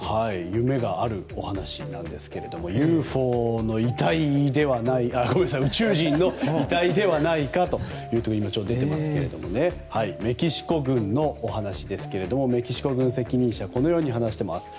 夢があるお話なんですけれども宇宙人の遺体ではないかと出ていますけれどもメキシコ軍のお話ですけれどもメキシコ軍責任者はこのように話しています。